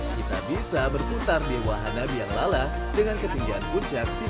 kita bisa berputar di wahana biang lala dengan ketinggian puncak tiga puluh lima meter